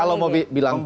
kalau mau bilang kode